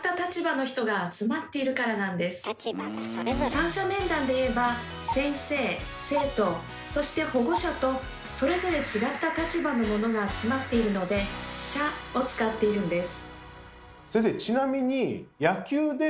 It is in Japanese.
三者面談で言えば先生生徒そして保護者とそれぞれ違った立場の者が集まっているので「者」を使っているんです。